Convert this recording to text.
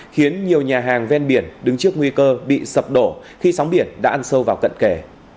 khiến nhiều nhà hàng ven biển đứng trước nguy cơ bị sập đổ khi sóng biển đã ăn sâu vào cận kề